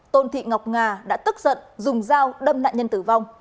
tôn thị ngọc nga đã tức giận dùng dao đâm nạn nhân tử vong